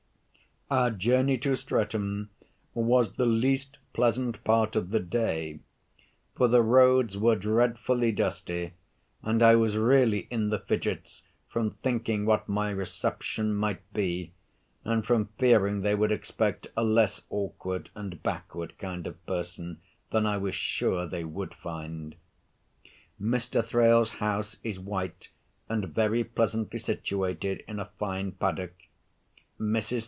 Our journey to Streatham was the least pleasant part of the day, for the roads were dreadfully dusty, and I was really in the fidgets from thinking what my reception might be, and from fearing they would expect a less awkward and backward kind of person than I was sure they would find. Mr. Thrale's house is white, and very pleasantly situated in a fine paddock. Mrs.